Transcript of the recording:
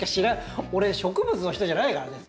俺植物の人じゃないからね。